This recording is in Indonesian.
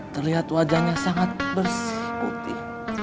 terlihat wajahnya sangat bersih putih